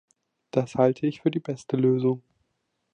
Das halte ich für die beste Lösung.